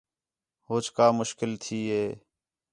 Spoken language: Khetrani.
ہوچ کا مشکل تھی ہِے